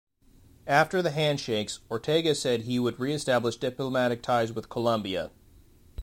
After the handshakes, Ortega said he would re-establish diplomatic ties with Colombia.